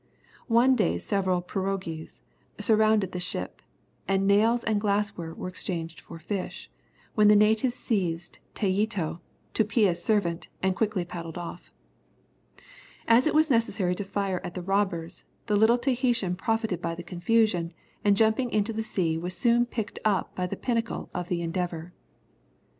One day several pirogues surrounded the ship, and nails and glassware were exchanged for fish; when the natives seized Tayeto, Tupia's servant, and quickly paddled off. As it was necessary to fire at the robbers, the little Tahitan profited by the confusion, and jumping into the sea was soon picked up by the pinnace of the Endeavour.